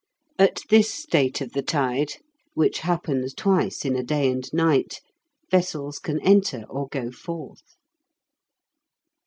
At this state of the tide, which happens twice in a day and night, vessels can enter or go forth.